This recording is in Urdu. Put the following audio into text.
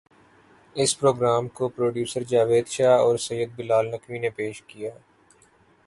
اس پروگرام کو پروڈیوسر جاوید شاہ اور سید بلا ل نقوی نے پیش کیا